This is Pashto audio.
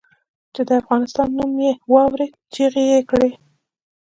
چې د افغانستان نوم یې واورېد چیغې یې کړې.